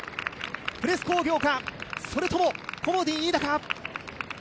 プレス工業か、それともコモディイイダか。